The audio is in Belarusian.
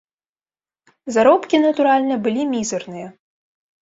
Заробкі, натуральна, былі мізэрныя.